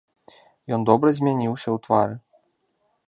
Ён добра змяніўся ў твары.